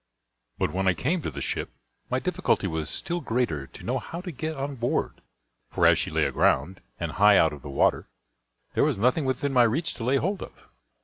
But when I came to the ship my difficulty was still greater to know how to get on board; for, as she lay aground, and high out of the water, there was nothing within my reach to lay hold of.